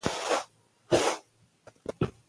ژورې سرچینې د افغانستان د صنعت لپاره مواد برابروي.